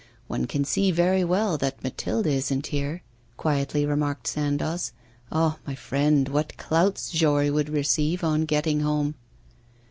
'One can see very well that Mathilde isn't here,' quietly remarked Sandoz. 'Ah! my friend, what clouts Jory would receive on getting home!